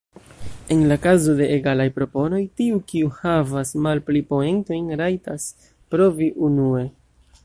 En la kazo de egalaj proponoj, tiu kiu havas malpli poentojn rajtas provi unue.